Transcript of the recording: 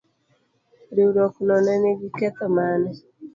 Riwruog no ne nigi ketho mane?